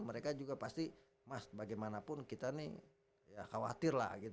mereka juga pasti mas bagaimanapun kita nih khawatir lah gitu